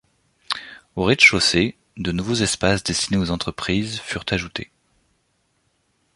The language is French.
Au rez-de-chaussée, de nouveaux espaces destinés aux entreprises furent ajoutés.